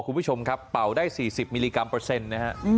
คุณผู้ชมครับเป่าได้๔๐มิลลิกรัมเปอร์เซ็นต์นะฮะ